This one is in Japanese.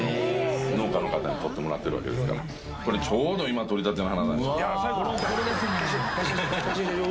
農家の方にとってもらってるわけですからこれちょうど今とりたての花山椒